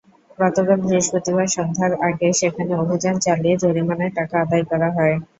গতকাল বৃহস্পতিবার সন্ধ্যার আগে সেখানে অভিযান চালিয়ে জরিমানার টাকা আদায় করা হয়।